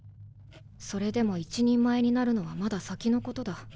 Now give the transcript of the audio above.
それでも一人前になるのはまだ先のことだ。